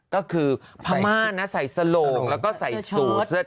ก็คือพม่านะใส่สโหลงแล้วก็ใส่สูตร